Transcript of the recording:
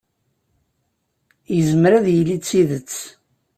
Yezmer ad yili d tidet.